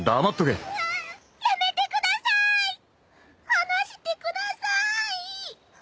放してください！